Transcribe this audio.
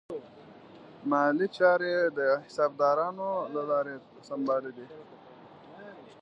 مالي چارې د حسابدارانو له لارې سمبالې دي.